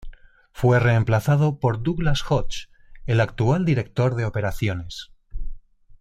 Fue reemplazado por Douglas Hodge, el actual Director de Operaciones.